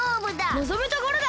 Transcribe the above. のぞむところだ！